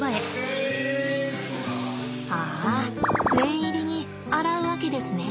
ああ念入りに洗うわけですね。